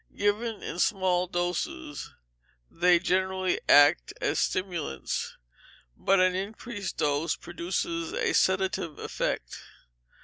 Given in small doses, they generally act as stimulants, but an increased dose produces a sedative effect.